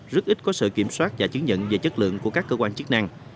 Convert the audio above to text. rất ít có sự kiểm soát và chứng nhận về chất lượng của các cơ quan chức năng